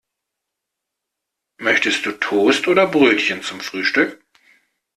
Möchtest du Toast oder Brötchen zum Frühstück?